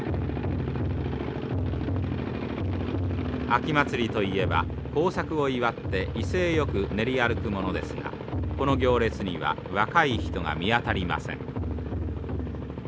秋祭りといえば豊作を祝って威勢よく練り歩くものですがこの行列には若い人が見当たりません。